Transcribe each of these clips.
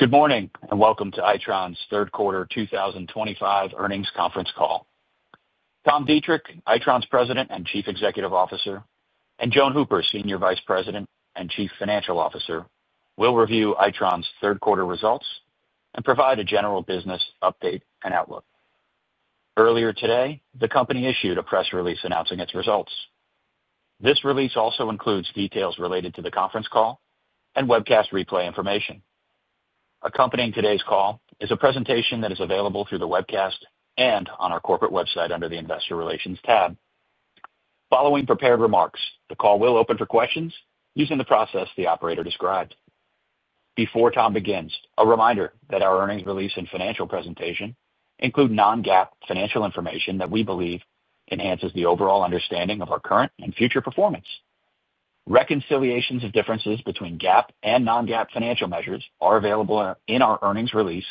Good morning and welcome to Itron's third quarter 2025 earnings conference call. Tom Deitrich, Itron's President and Chief Executive Officer, and Joan Hooper, Senior Vice President and Chief Financial Officer, will review Itron's third quarter results and provide a general business update and outlook. Earlier today, the company issued a press release announcing its results. This release also includes details related to the conference call and webcast replay information. Accompanying today's call is a presentation that is available through the webcast and on our corporate website under the Investor Relations tab. Following prepared remarks, the call will open for questions using the process the operator described. Before Tom begins, a reminder that our earnings release and financial presentation include non-GAAP financial information that we believe enhances the overall understanding of our current and future performance. Reconciliations of differences between GAAP and non-GAAP financial measures are available in our earnings release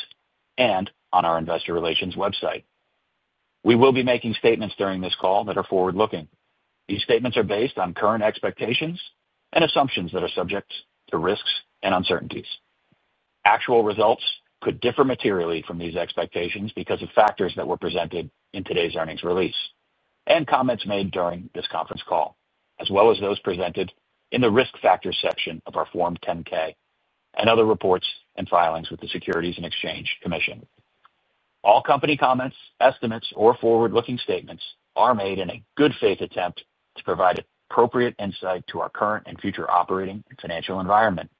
and on our Investor Relations website. We will be making statements during this call that are forward-looking. These statements are based on current expectations and assumptions that are subject to risks and uncertainties. Actual results could differ materially from these expectations because of factors that were presented in today's earnings release and comments made during this conference call as well as those presented in the Risk Factors section of our Form 10-K and other reports and filings with the Securities and Exchange Commission. All company comments, estimates, or forward-looking statements are made in a good faith attempt to provide appropriate insight to our current and future operating and financial environment.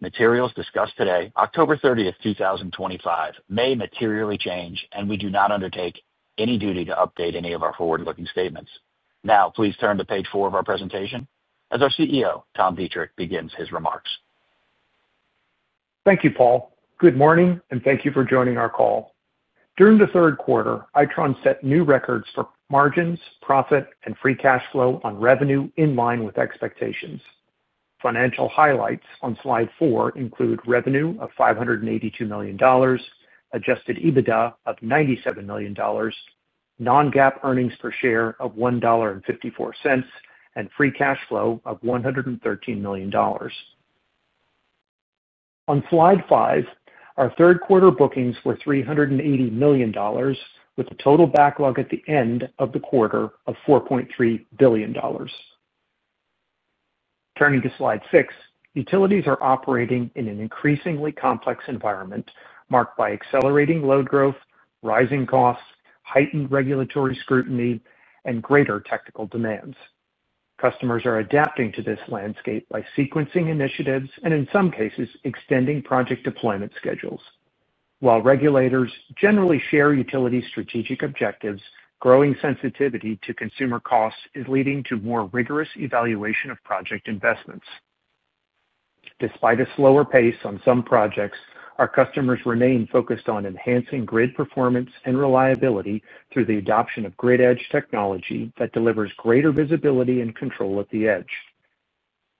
Materials discussed today, October 30th, 2025, may materially change and we do not undertake any duty to update any of our forward-looking statements. Now please turn to page four of our presentation as our CEO Tom Deitrich begins his remarks. Thank you, Paul. Good morning, and thank you for joining our call. During the third quarter, Itron set new records for margins, profit, and free cash flow on revenue in line with expectations. Financial highlights on slide four include revenue of $582 million, adjusted EBITDA of $97 million, non-GAAP earnings per share of $1.54, and free cash flow of $113 million. On slide five, our third quarter bookings were $380 million, with a total backlog at the end of the quarter of $4.3 billion. Turning to slide six, utilities are operating in an increasingly complex environment marked by accelerating load growth, rising costs, heightened regulatory scrutiny, and greater technical demands. Customers are adapting to this landscape by sequencing initiatives and, in some cases, extending project deployment schedules. While regulators generally share utility strategic objectives, growing sensitivity to consumer costs is leading to more rigorous evaluation of project investments. Despite a slower pace on some projects, our customers remain focused on enhancing grid performance and reliability through the adoption of grid edge technology that delivers greater visibility and control at the edge.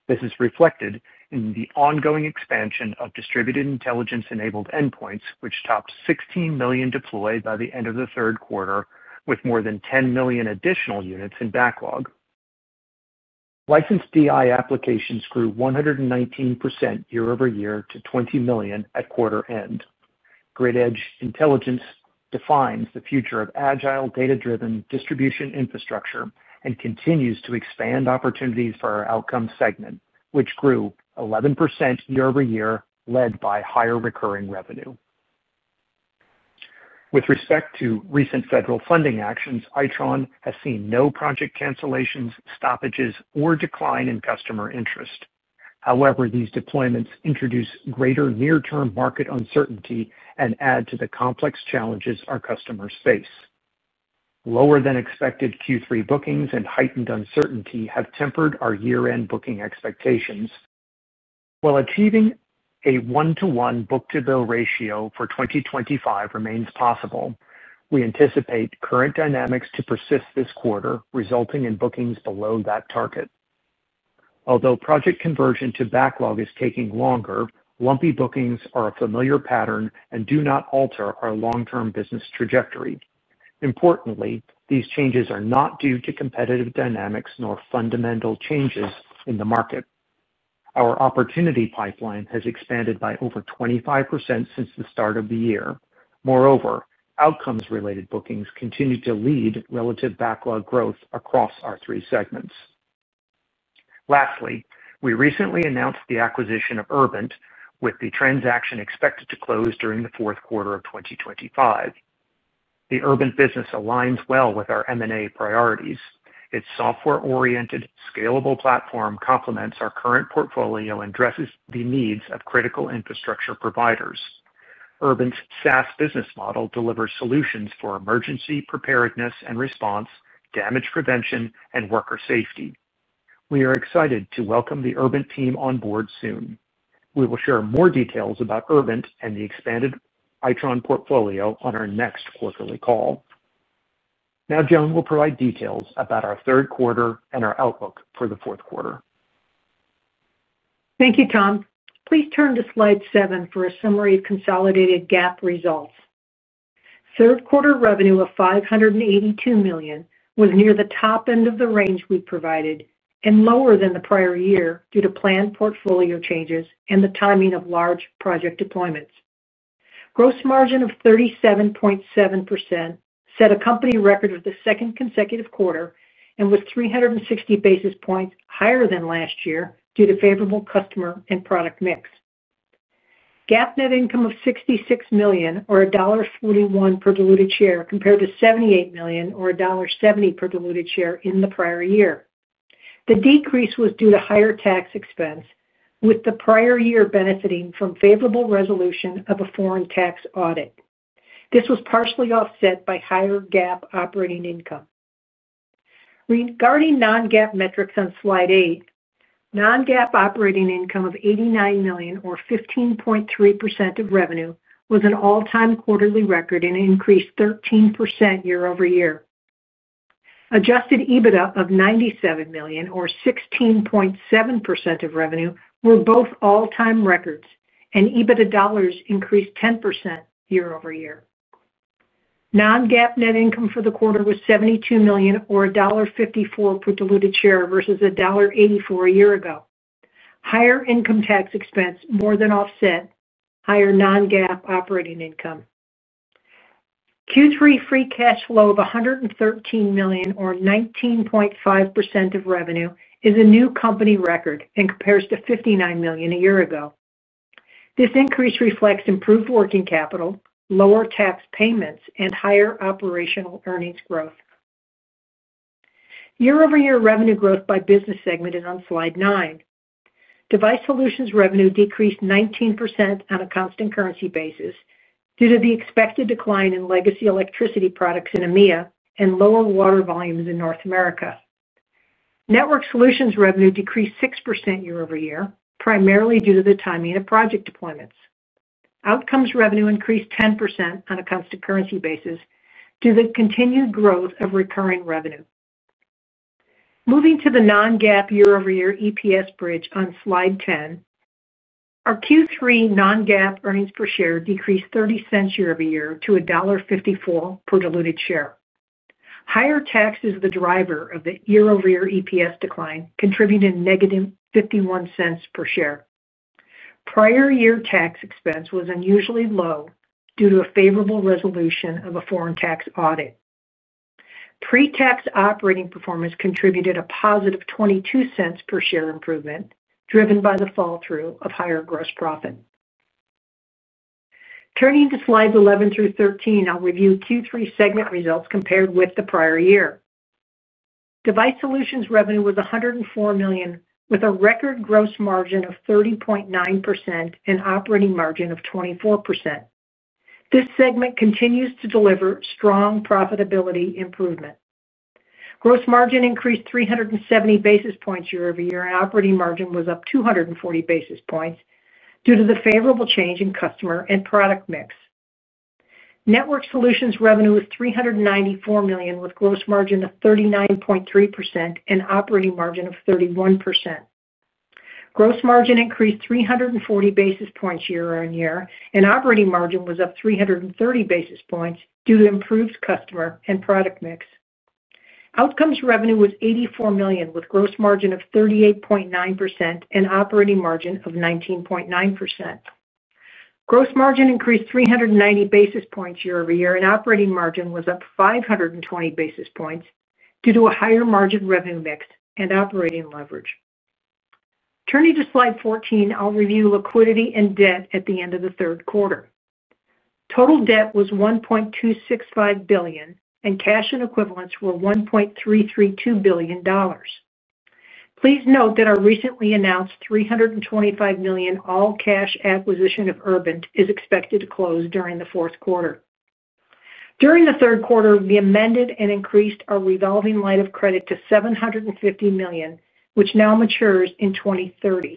This is reflected in the ongoing expansion of distributed intelligence-enabled endpoints, which topped 16 million deployed by the end of the third quarter, with more than 10 million additional units in backlog. Licensed DI applications grew 119% year over year to 20 million at quarter end. Grid Edge Intelligence defines the future of agile, data-driven distribution infrastructure and continues to expand opportunities for our Outcomes segment, which grew 11% year over year, led by higher recurring revenue. With respect to recent federal funding actions, Itron has seen no project cancellations, stoppages, or decline in customer interest. However, these deployments introduce greater near-term market uncertainty and add to the complex challenges our customers face. Lower than expected Q3 bookings and heightened uncertainty have tempered our year-end booking expectations. While achieving a one-to-one book-to-bill ratio for 2025 remains possible, we anticipate current dynamics to persist this quarter, resulting in bookings below that target. Although project conversion to backlog is taking longer, lumpy bookings are a familiar pattern and do not alter our long-term business trajectory. Importantly, these changes are not due to competitive dynamics nor fundamental changes in the market. Our opportunity pipeline has expanded by over 25% since the start of the year. Moreover, Outcomes-related bookings continue to lead relative backlog growth across our three segments. Lastly, we recently announced the acquisition of Urbint, with the transaction expected to close during the fourth quarter of 2025. The Urbint business aligns well with our M&A priorities. Its software-oriented, scalable platform complements our current portfolio and addresses the needs of critical infrastructure providers. Urbint's SaaS business model delivers solutions for emergency preparedness and response, damage prevention, and worker safety. We are excited to welcome the Urbint team on board soon. We will share more details about Urbint and the expanded Itron portfolio on our next quarterly call. Now Joan will provide details about our third quarter and our outlook for the fourth quarter. Thank you Tom. Please turn to slide seven for a summary of consolidated GAAP results. Third quarter revenue of $582 million was near the top end of the range we provided and lower than the prior year due to planned portfolio changes and the timing of large project deployments. Gross margin of 37.7% set a company record for the second consecutive quarter and was 360 basis points higher than last year due to favorable customer and product mix. GAAP net income of $66 million or $1.41 per diluted share compared to $78 million or $1.70 per diluted share in the prior year. The decrease was due to higher tax expense with the prior year benefiting from favorable resolution of a foreign tax audit. This was partially offset by higher GAAP operating income. Regarding non-GAAP metrics on slide eight, non-GAAP operating income of $89 million or 15.3% of revenue was an all-time quarterly record and increased 13% year over year. Adjusted EBITDA of $97 million or 16.7% of revenue were both all-time records and EBITDA dollars increased 10% year over year. Non-GAAP net income for the quarter was $72 million or $1.54 per diluted share versus $1.84 a year ago. Higher income tax expense more than offset higher non-GAAP operating income. Q3 free cash flow of $113 million or 19.5% of revenue is a new company record and compares to $59 million a year ago. This increase reflects improved working capital, lower tax payments, and higher operational earnings growth year over year. Revenue growth by business segment is on slide nine. Device Solutions revenue decreased 19% on a constant currency basis due to the expected decline in legacy electricity products in EMEA and lower water volumes in North America. Network Solutions revenue decreased 6% year over year primarily due to the timing of project deployments. Outcomes revenue increased 10% on a constant currency basis due to the continued growth of recurring revenue. Moving to the non-GAAP year over year EPS bridge on slide 10, our Q3 non-GAAP earnings per share decreased $0.30 year over year to $1.54 per diluted share. Higher tax is the driver of the year over year EPS decline contributing -$0.51 per share. Prior year tax expense was unusually low due to a favorable resolution of a foreign tax audit. Pre-tax operating performance contributed a +$0.22 per share improvement driven by the fall through of higher gross profit. Turning to slides 11 through 13, I'll review Q3 segment results. Compared with the prior year, Device Solutions revenue was $104 million with a record gross margin of 30.9% and operating margin of 24%. This segment continues to deliver strong profitability improvement. Gross margin increased 370 basis points year over year and operating margin was up 240 basis points due to the favorable change in customer and product mix. Network Solutions revenue was $394 million with gross margin of 39.3% and operating margin of 31%. Gross margin increased 340 basis points year on year and operating margin was up 330 basis points due to improved customer and product mix. Outcomes revenue was $84 million with gross margin of 38.9% and operating margin of 19.9%. Gross margin increased 390 basis points year over year and operating margin was up 520 basis points due to a higher margin revenue mix and operating leverage. Turning to slide 14, I'll review liquidity and debt. At the end of the third quarter, total debt was $1.265 billion and cash and equivalents were $1.332 billion. Please note that our recently announced $325 million all-cash acquisition of Urbint is expected to close during the fourth quarter. During the third quarter, we amended and increased our revolving line of credit to $750 million, which now matures in 2030.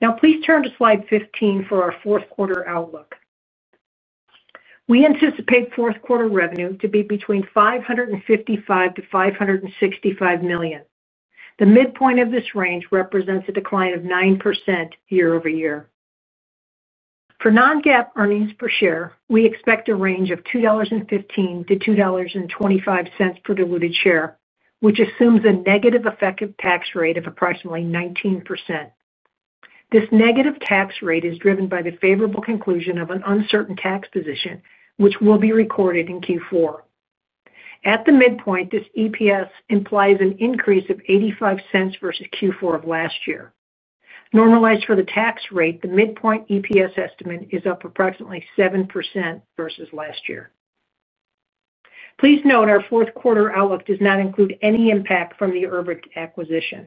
Now please turn to slide 15 for our fourth quarter outlook. We anticipate fourth quarter revenue to be between $555 million-$565 million. The midpoint of this range represents a decline of 9% year over year. For non-GAAP earnings per share, we expect a range of $2.15-$2.25 per diluted share, which assumes a negative effective tax rate of approximately 19%. This negative tax rate is driven by the favorable conclusion of an uncertain tax position, which will be recorded in Q4. At the midpoint, this EPS implies an increase of $0.85 versus Q4 of last year. Normalized for the tax rate, the midpoint EPS estimate is up approximately 7% versus last year. Please note our fourth quarter outlook does not include any impact from the Urbint acquisition.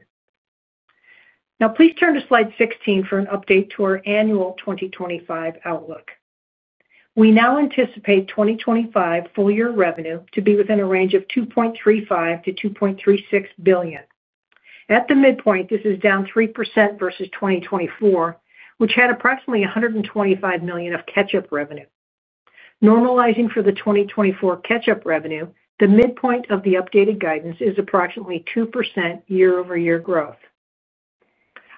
Now please turn to slide 16 for an update to our annual 2025 outlook. We now anticipate 2025 full year revenue to be within a range of $2.35 billion-$2.36 billion. At the midpoint, this is down 3% versus 2024, which had approximately $125 million of catch up revenue. Normalizing for the 2024 catch up revenue, the midpoint of the updated guidance is approximately 2% year over year growth.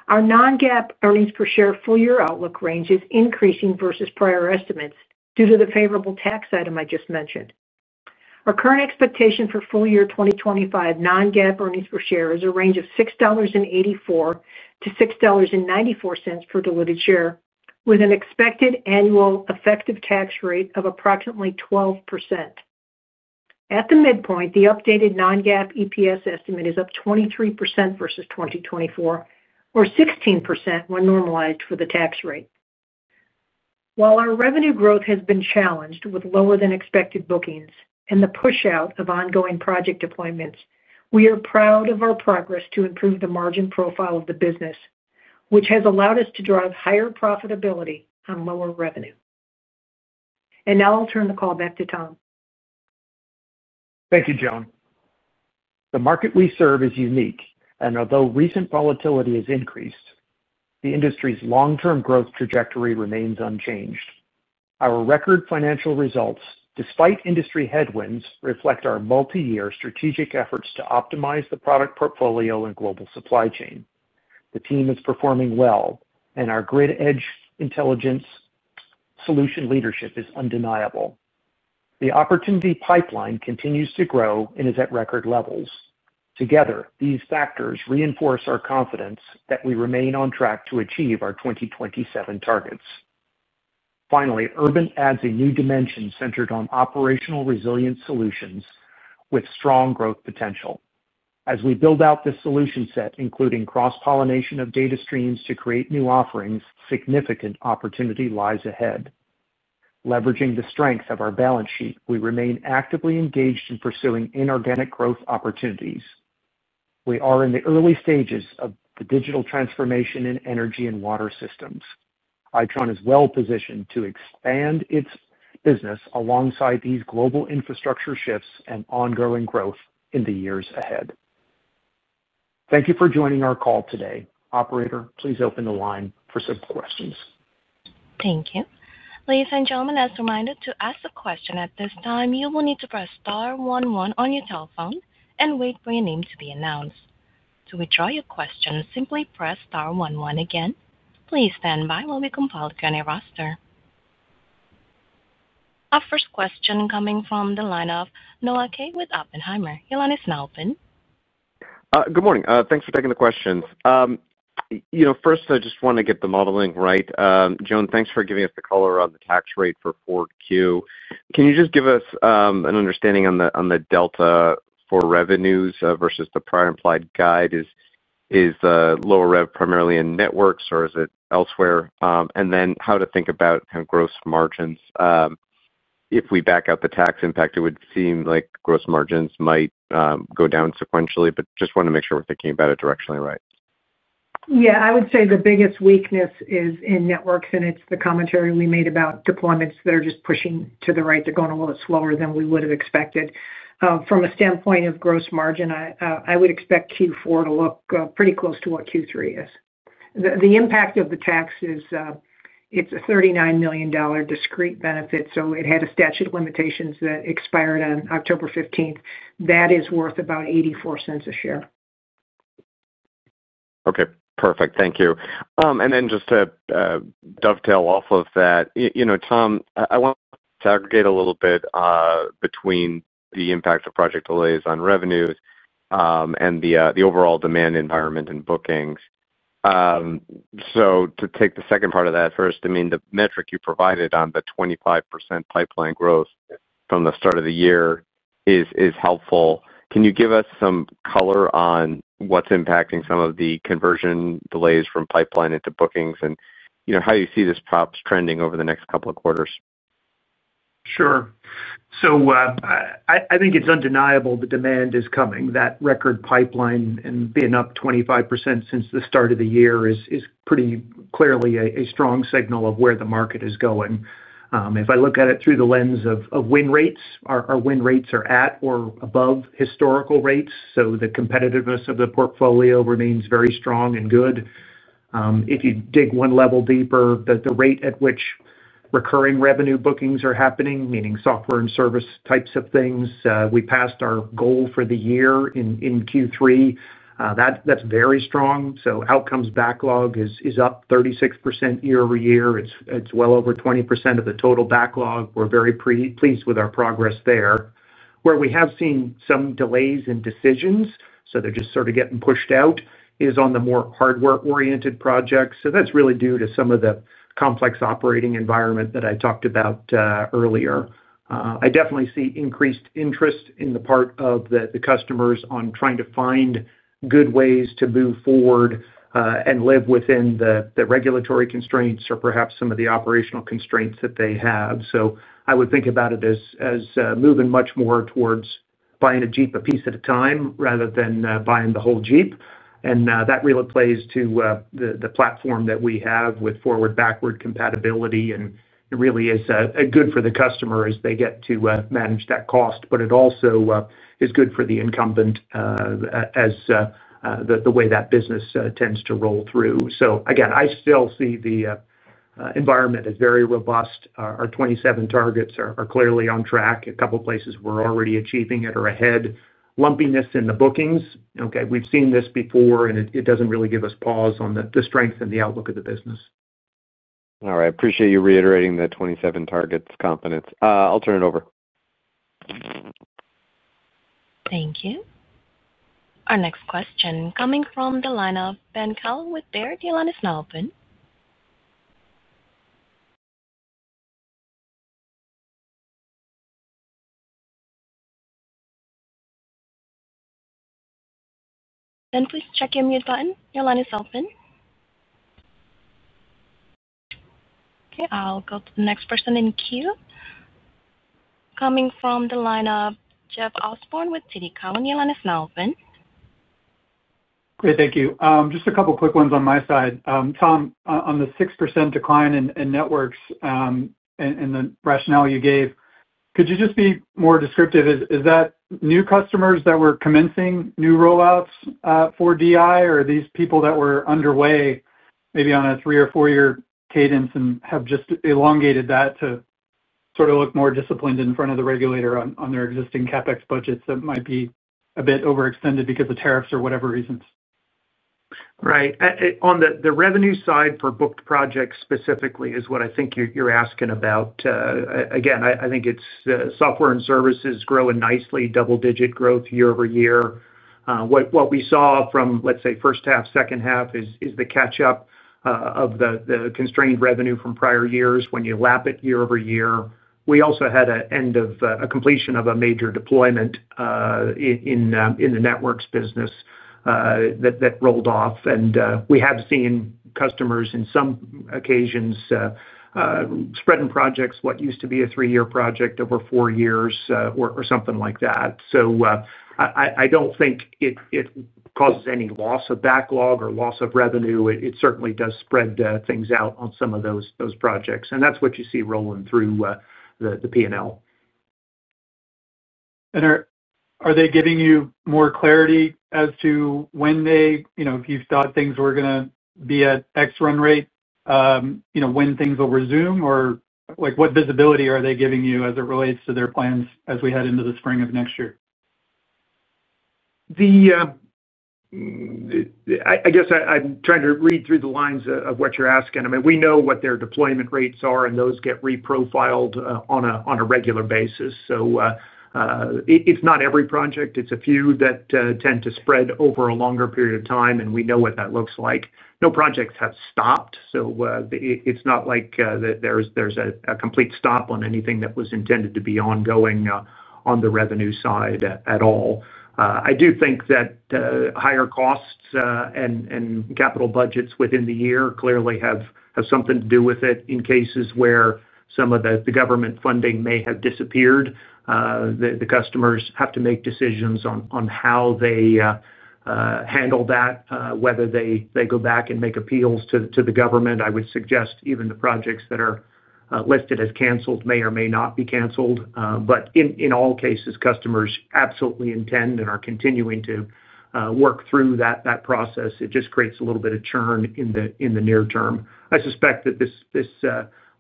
Our non-GAAP earnings per share full year outlook range is increasing versus prior estimates due to the favorable tax item I just mentioned. Our current expectation for full year 2025 non-GAAP earnings per share is a range of $6.84-$6.94 per diluted share with an expected annual effective tax rate of approximately 12%. At the midpoint, the updated non-GAAP EPS estimate is up 23% versus 2024 or 16% when normalized for the tax rate. While our revenue growth has been challenged with lower than expected bookings and the push out of ongoing project deployments, we are proud of our progress to improve the margin profile of the business, which has allowed us to drive higher profitability on lower revenue. I will now turn the call back to Tom. Thank you, Joan. The market we serve is unique, and although recent volatility has increased, the industry's long-term growth trajectory remains unchanged. Our record financial results, despite industry headwinds, reflect our multi-year strategic efforts to optimize the product portfolio and global supply chain. The team is performing well, and our grid edge intelligence solution leadership is undeniable. The opportunity pipeline continues to grow and is at record levels. Together, these factors reinforce our confidence that we remain on track to achieve our 2027 targets. Finally, Urbint adds a new dimension centered on operational resilience solutions with strong growth potential. As we build out this solution set, including cross-pollination of data streams to create new offerings, significant opportunity lies ahead. Leveraging the strength of our balance sheet, we remain actively engaged in pursuing inorganic growth opportunities. We are in the early stages of the digital transformation in energy and water systems. Itron is well positioned to expand its business alongside these global infrastructure shifts and ongoing growth in the years ahead. Thank you for joining our call today. Operator, please open the line for some questions. Thank you. Ladies and gentlemen, as a reminder to ask a question at this time, you will need to press star one one on your telephone and wait for your name to be announced. To withdraw your question, simply press star one one again. Please stand by while we compile the Q&A roster. Our first question coming from the line of Noah Kaye with Oppenheimer. Your line is now open. Good morning. Thanks for taking the questions. First, I just want to. Get the modeling right. Joan, thanks for giving us the color on the tax rate for 4Q. Can you just give us an understanding on the delta for revenues versus the prior implied guide? Is the lower rev primarily in Network or is it elsewhere? How to think about gross margins? If we back out the tax impact, it would seem like gross margins might go down sequentially, but just want to make sure we're thinking about it directionally. Right? I would say the biggest weakness is in networks, and it's the commentary we made about deployments that are just pushing to the right. They're going a little bit slower than we would have expected. From a standpoint of gross margin, I would expect Q4 to look pretty close to what Q3 is. The impact of the tax is it's a $39 million discrete benefit. It had a statute of limitations that expired on October 15th. That is worth about $0.84 a share. Okay, perfect. Thank you. Just to dovetail off of that, Tom, I want to aggregate a little bit between the impact of project delays on revenues and the overall demand environment and bookings. To take the second part of that first, the metric you provided on the 25% pipeline growth from the start of the year is helpful. Can you give us some color on what's impacting some of the conversion delays from pipeline into bookings and how you see this pops trending over the next couple of quarters? Sure. I think it's undeniable the demand is coming. That record pipeline and being up 25%. Since the start of the year is. Pretty clearly a strong signal of where the market is going. If I look at it through the lens of win rates, our win rates are at or above historical rates. The competitiveness of the portfolio remains very strong and good. If you dig one level deeper, the rate at which recurring revenue bookings are happening, meaning software and service types of things, we passed our goal for the year in Q3. That's very strong. Outcomes backlog is up 36% year over year. It's well over 20% of the total backlog. We're very pleased with our progress there. Where we have seen some delays in decisions. They're just sort of getting pushed out on the more hardware-oriented projects. That's really due to some of the complex operating environment that I talked about earlier. I definitely see increased interest on the part of the customers in trying to find good ways to move forward and live within the regulatory constraints or perhaps some of the operational constraints that they have. I would think about it as. Moving much more towards buying a Jeep. A piece at a time rather than buying the whole Jeep. That really plays to the platform that we have with forward backward compatibility. It really is good for the customer as they get to manage that cost. It also is good for the incumbent as the way that business tends to roll through. I still see the environment as very robust. Our 2027 targets are clearly on track. A couple places we're already achieving it or ahead. Lumpiness in the bookings, we've seen this before and it doesn't really give us pause on the strength and the outlook of the business. All right, I appreciate you reiterating the 2027 targets confidence. I'll turn it over. Thank you. Our next question coming from the line of Ben Kallo with Baird line is now open. Ben, please check your mute button. Your line is open. Okay, I'll go to the next person in queue. Coming from the line of Jeff Osborne with TD Cowen. Your line is now open. Great, thank you. Just a couple quick ones. On my side, Tom, on the 6% decline in Networks and the rationale you gave, could you just be more descriptive? Is that new customers that were commencing new rollouts for distributed intelligence-enabled endpoints, or these people that were underway maybe on a three or four year cadence and have just elongated that to sort of look more disciplined in front of the regulator on their existing CapEx budgets that might be a bit overextended because of tariffs or whatever reasons. Right. On the revenue side for booked projects specifically is what I think you're asking about again, I think it's software and services growing nicely, double-digit growth year over year. What we saw from, let's say, first half, second half is the catch up of the constrained revenue from prior years when you lap it year over year. We also had an end of a completion of a major deployment in the Networks business that rolled off, and we have seen customers in some occasions spreading projects, what used to be a three-year project, over four years or something like that. I don't think it causes any loss of backlog or loss of revenue. It certainly does spread things out on some of those projects, and that's what you see rolling through the P&L. Are they giving you more clarity as to when they, if you thought things were going to be at X run rate, when things will resume, or what visibility are they giving you as it relates to their plans as we head into the spring of next year? The. I guess I'm trying to read through the lines of what you're asking. I mean, we know what their deployment rates are, and those get reprofiled on a regular basis. It's not every project; it's a few that tend to spread over a longer period of time, and we know what that looks like. No projects have stopped. It's not like there's a complete stop on anything that was intended to be ongoing on the revenue side at all. I do think that higher costs and capital budgets within the year clearly have something to do with it. In cases where some of the government funding may have disappeared, the customers have to make decisions on how they handle that, whether they go back and make appeals to the government. I would suggest even the projects that are listed as cancelled may or may not be canceled. In all cases, customers absolutely intend and are continuing to work through that process. It just creates a little bit of churn in the near term. I suspect that this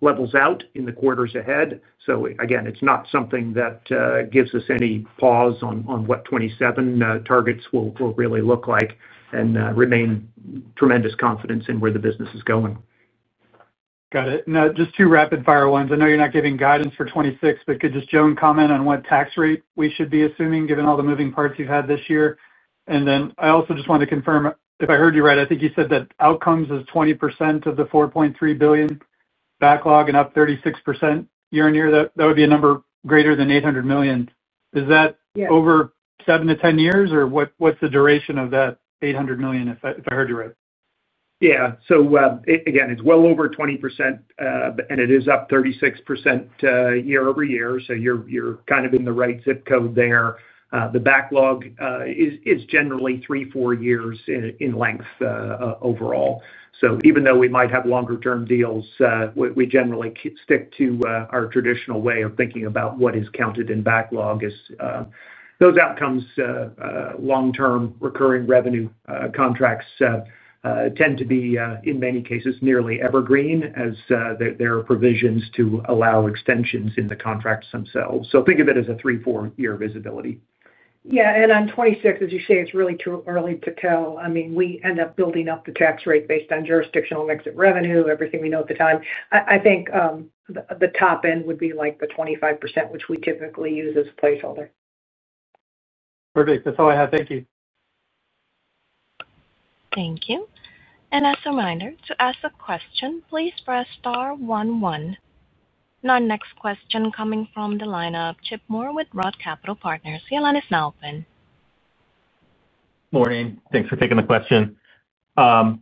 levels out in the quarters ahead. It's not something that gives us any pause on what 2027 targets will really look like, and we remain tremendous confidence in where the business is going. Got it. Now just two rapid fire ones. I know you're not giving guidance for 2026, but could just, Joan, comment on what tax rate we should be assuming given all the moving parts you've had this year. I also just want to confirm if I heard you right. I think you said that Outcomes is 20% of the $4.3 billion backlog and up 36% year on year. That would be a number greater than $800 million. Is that over seven to 10 years or what? What's the duration of that $800 million if I heard you right? Yeah. It's well over 20% and it is up 36% year over year. You're kind of in the right zip code there. The backlog is generally three, four years in length overall. Even though we might have longer term deals, we generally stick to our traditional way of thinking about what is counted in backlog as those outcomes. Long term recurring revenue contracts tend to be in many cases nearly evergreen as there are provisions to allow extensions in the contracts themselves. Think of it as a three, four year visibility. Yeah, on 2026, as you say, it's really too early to tell. I mean, we end up building up the tax rate based on jurisdictional mix of revenue, everything we know at the time. I think the top end would be like the 25% which we typically use as a placeholder. Perfect. That's all I have. Thank you. Thank you. As a reminder, to ask a question, please press star one one. Our next question coming from the lineup, Chip Moore with ROTH Capital Partners. The line is now open. Morning. Thanks for taking the question, Tom.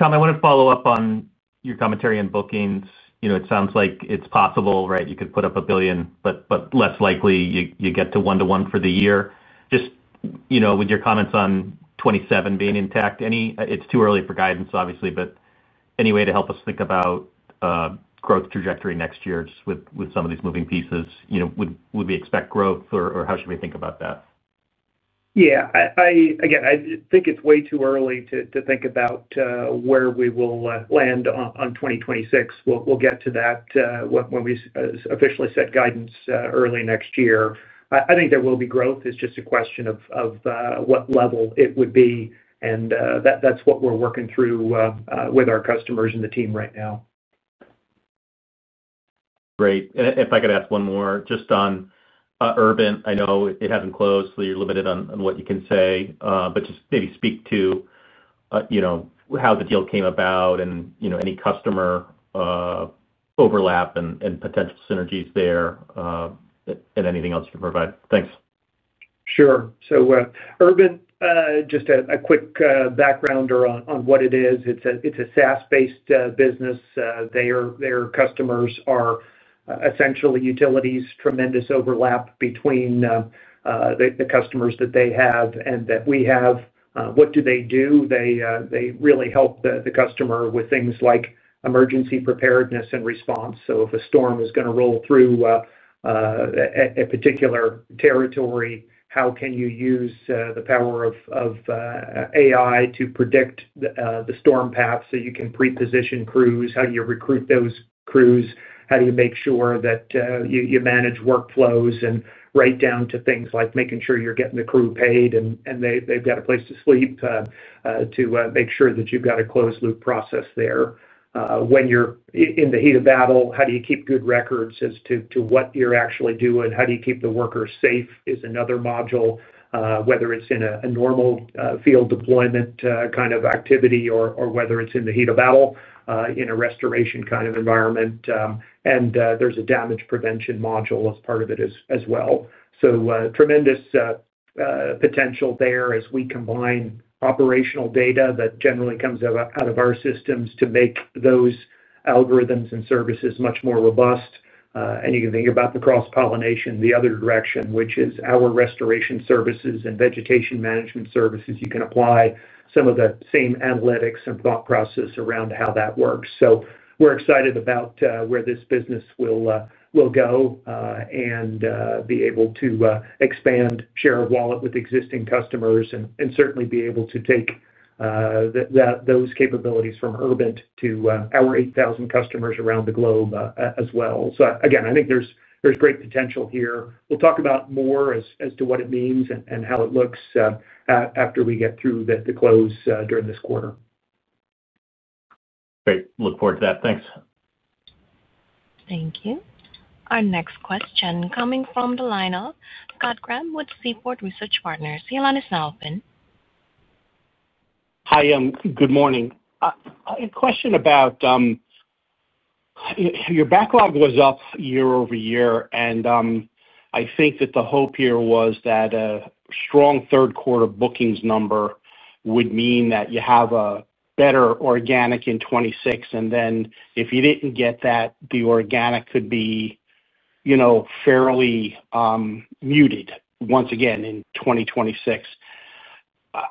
I want to follow up on your commentary on bookings. You know it sounds like it's possible, right? You could put up $1 billion, but less likely you get to one to one for the year, just with your comments on 2027 being intact. Any. It's too early for guidance, obviously, but any way to help us think about growth trajectory next year with some of these moving pieces? Would we expect growth, or how should we think about that? I think it's way too early to think about where we will land on 2026. We'll get to that when we officially set guidance early next year. I think there will be growth. It's just a question of what level it would be and that's what we're working through with our customers and the team right now. Great. If I could ask one more just on Urbint, I know it hasn't closed so you're limited on what you can say. Just maybe speak to how the deal came about and any customer overlap and potential synergies there and anything else you can provide. Thanks. Sure. Urbint, just a quick backgrounder on what it is. It's a SaaS-based business. Their customers are essentially utilities. Tremendous overlap between the customers that they have and that we have. What do they do? They really help the customer with things like emergency preparedness and response. If a storm is going to roll through a particular territory, how can you use the power of AI to predict the storm path? You can pre-position crews, how. Do you recruit those crews? How do you make sure that you manage workflows, right down to things like making sure you're getting the crew paid and they've got a place to sleep to make sure that you've got. A closed loop process there. When you're in the heat of battle, how do you keep good records as to what you're actually doing? How do you keep the workers safe? Is another module, whether it's in a normal field deployment kind of activity or whether it's in the heat of battle in a restoration kind of environment. There's a damage prevention module as part of it as well. Tremendous potential there as we combine operational data that generally comes out of our systems to make those algorithms. Services much more robust. You can think about the cross pollination. The other direction, which is our restoration services and vegetation management services, is you.can apply some of the same analytics and thought process around how that works. We're excited about where this business will go and be able to expand share of wallet with existing customers and certainly be able to take those capabilities from Urbint to our 8,000 customers around the globe as well. I think there's great potential here. We'll talk more about what it means and how it looks after we get through the close during this quarter. Great. Look forward to that. Thanks. Thank you. Our next question coming from the lineup. Scott Graham with Seaport Research Partners, your line is now open. Hi, good morning. Question about your backlog was up year over year, and I think that the hope here was that a strong third quarter bookings number would mean that you have a better organic in 2026, and then if you didn't get that, the organic could be, you know, fairly muted once again in 2026.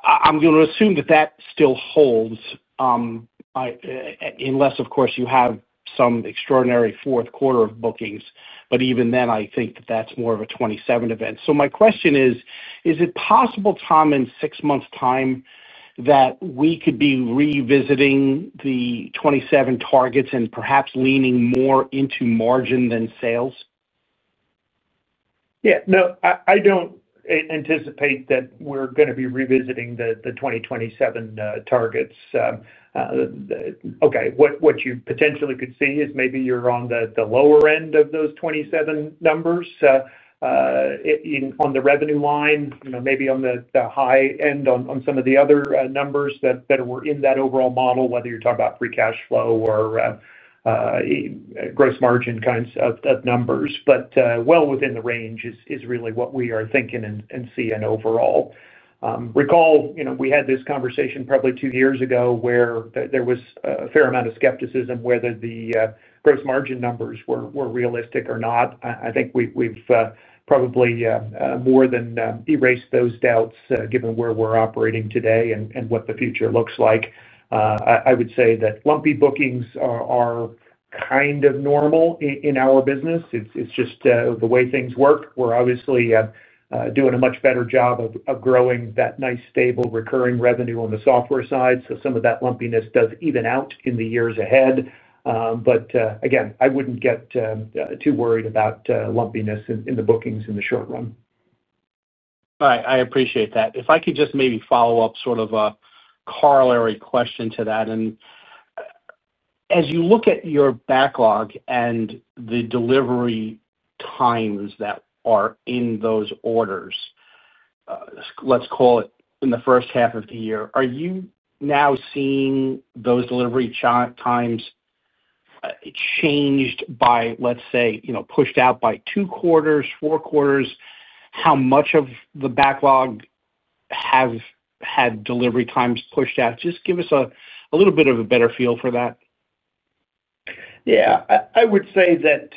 I'm going to assume that that still. Holds. Unless, of course, you have some extraordinary fourth quarter of bookings. Even then, I think that's more of a 2027 event. My question is, is it possible, Tom, in six months' time that we could be revisiting the 2027 targets and perhaps leaning more into margin than sales? Yeah, no, I don't anticipate that we're going to be revisiting the 2027 targets. What you potentially could see is maybe you're on the lower end of those 2027 numbers on the revenue line, maybe on the high end on some of the other numbers that were in that overall model, whether you're talking about free cash flow or gross margin kinds of numbers, but well within the range is really what we are thinking and seeing overall. Recall, we had this conversation probably two years ago where there was a fair amount of skepticism whether the gross margin numbers were realistic or not. I think we've probably more than erased those doubts. Given where we're operating today and what the future looks like, I would say that lumpy bookings are kind of normal in our business. It's just the way things work. We're obviously doing a much better job of growing that nice, stable recurring revenue on the software side. Some of that lumpiness does even. Out in the years ahead. I wouldn't get too worried about lumpiness in the bookings in the short run. All right, I appreciate that. If I could just maybe follow up, sort of a corollary question to that. As you look at your backlog and the delivery times that are in. Those orders, let's call it, in the. First half of the year. Are you now seeing those delivery times changed by, let's say, you know, pushed? Out by two quarters, four quarters? How much of the backlog have had delivery times pushed out? Just give us a little bit of a better feel for that. I would say that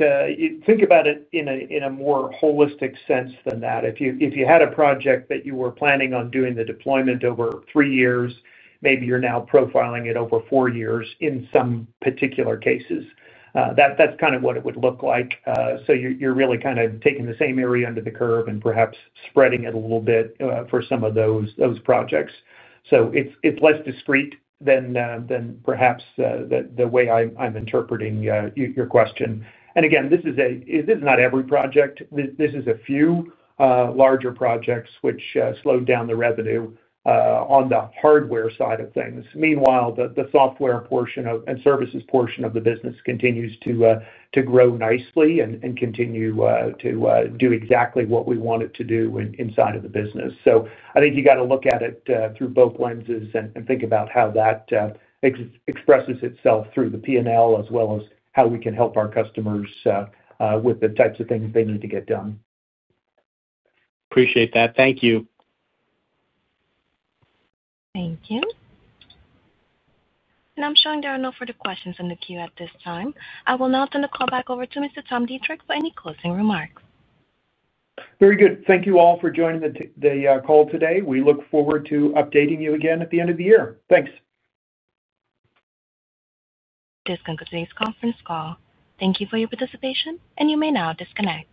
think about it in a more holistic sense than that. If you had a project that you were planning on doing the deployment over three years, maybe you're now profiling it over four years in some particular cases, that's kind of what it would look like. You're really kind of taking the same area under the curve and perhaps spreading it a little bit for some of those projects. It's less discreet than perhaps the way I'm interpreting your question. This is not every project. This is a few larger projects which slowed down the revenue on the hardware side of things. Meanwhile, the software portion and services portion of the business continues to grow nicely and continue to do exactly what we want it to do inside of the business. I think you got to look at it through both lenses and think about how that expresses itself through the. P&L as well as how. We can help our customers with the types of things they need to get done. Appreciate that. Thank you. Thank you. I'm showing there are no further questions in the queue at this time. I will now turn the call back over to Mr. Tom Deitrich for any closing remarks. Very good. Thank you all for joining the call today. We look forward to updating you again at the end of the year. Thanks. This concludes today's conference call. Thank you for your participation and you may now disconnect.